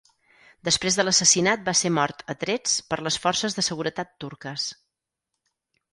Després de l'assassinat va ser mort a trets per les forces de seguretat turques.